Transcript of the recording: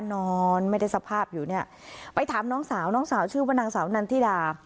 นอนไม่ได้สภาพอยู่เนี่ยไปถามน้องสาวน้องสาวชื่อว่านางสาวนันทิดา